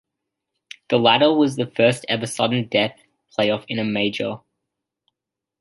The latter was the first ever sudden-death playoff in a major.